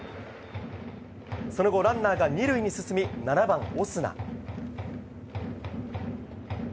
その後、ランナーが２塁に進み７番、オスナ。